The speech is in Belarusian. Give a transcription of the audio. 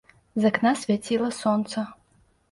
З акна свяціла сонца.